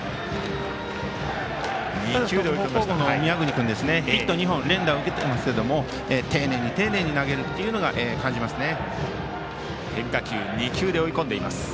宮國君はヒット２本連打を受けていますが丁寧に投げていると感じますね。